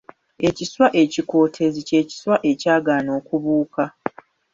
Ekiswa ekikootezi ky’ekiswa ekyagaana okubuuka.